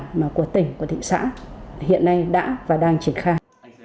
đồng thuận của tỉnh của thị xã hiện nay đã và đang trình khai